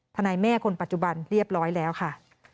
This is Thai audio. ทนายแม่คนปัจจุบันเรียบร้อยแล้วค่ะ